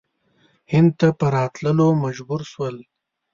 هند ته په راتللو مجبور شول.